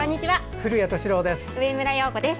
古谷敏郎です。